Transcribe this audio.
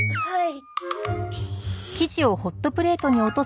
はい。